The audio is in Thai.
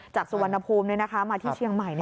จากสุวรรณภูมิมาที่เชียงใหม่